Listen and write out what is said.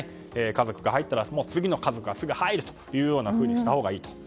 家族が入ったら次の家族がすぐ入るようにしたほうがいいと。